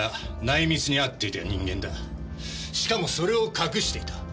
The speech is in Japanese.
しかもそれを隠していた。